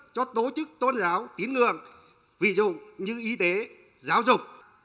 cho tổ chức tôn giáo tín ngưỡng ví dụ như y tế giáo dục